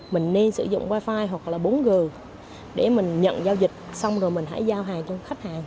mình nên sử dụng wifi hoặc là bốn g để mình nhận giao dịch xong rồi mình hãy giao hàng cho khách hàng